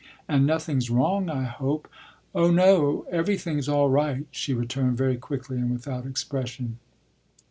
"And nothing's wrong, I hope?" "Oh no everything's all right," she returned very quickly and without expression.